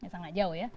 sangat jauh ya